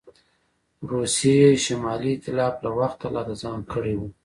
روسیې شمالي ایتلاف له وخته لا د ځان کړی وو.